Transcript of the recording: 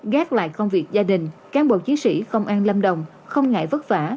gác lại công việc gia đình cán bộ chiến sĩ công an lâm đồng không ngại vất vả